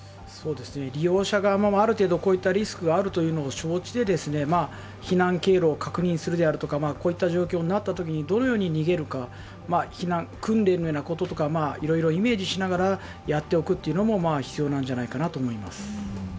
利用者側もある程度こういったリスクがあるのを承知で避難経路を確認するであるとか、こういった状況になったときにどのように逃げるか避難訓練のようなこととかいろいろイメージしながらやっておくのも必要なんじゃないかと思います。